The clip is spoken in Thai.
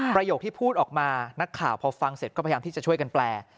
ประโยคที่พูดออกมานักข่าวพอฟังเสร็จก็พยายามที่จะช่วยกันแปล